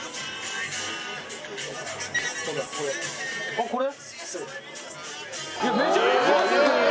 あっこれ？